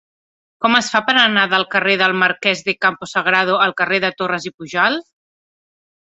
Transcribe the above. Com es fa per anar del carrer del Marquès de Campo Sagrado al carrer de Torras i Pujalt?